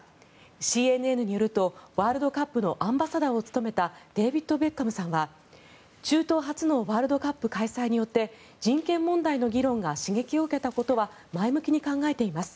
ＣＮＮによるとワールドカップのアンバサダーを務めたデビッド・ベッカムさんは中東初のワールドカップ開催によって人権問題の議論が刺激を受けたことは前向きに考えています